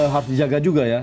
harus dijaga juga ya